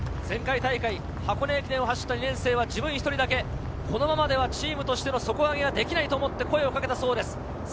前回大会、箱根駅伝を走った２年生は自分１人だけ、このままではチームとして底上げができないと思って声をかけたそうです。